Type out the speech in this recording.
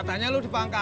kayaknya udah deh